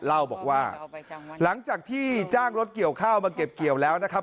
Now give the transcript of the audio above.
เล่าบอกว่าหลังจากที่จ้างรถเกี่ยวข้าวมาเก็บเกี่ยวแล้วนะครับ